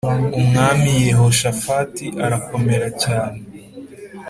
Umwami Yehoshafati arakomera cyane